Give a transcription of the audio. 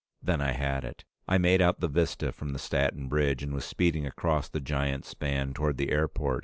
Then I had it. I made out the vista from the Staten Bridge, and was speeding across the giant span toward the airport.